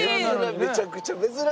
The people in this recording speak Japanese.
めちゃくちゃ珍しい。